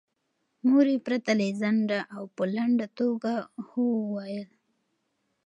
مور یې پرته له ځنډه او په لنډه توګه هو وویل.